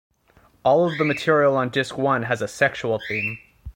All of the material on Disc one has a sexual theme.